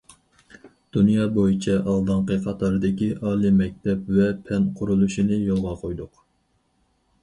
دۇنيا بويىچە ئالدىنقى قاتاردىكى ئالىي مەكتەپ ۋە پەن قۇرۇلۇشىنى يولغا قويدۇق.